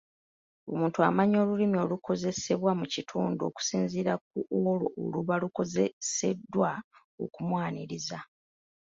Omuntu amanya olulimi olukozesebwa mu kitundu okusinziira ku olwo olubalukozeseddwa okumwaniriza.